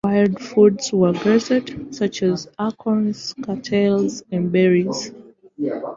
Wild foods were gathered, such as acorns, cattails, and berries.